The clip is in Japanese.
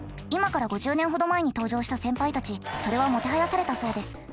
今から５０年ほど前に登場した先輩たちそれはもてはやされたそうです。